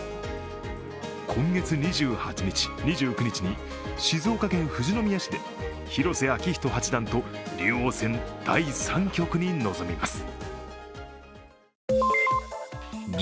今月２８日、２９日に静岡県富士宮市で広瀬章人８段と竜王戦第三局に臨みます。